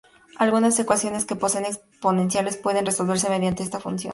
Algunas ecuaciones que poseen exponenciales pueden resolverse mediante esta función.